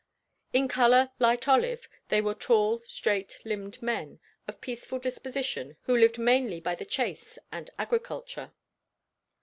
In color light olive, they were tall straight limbed men of peaceful disposition who lived mainly by the chase and agriculture."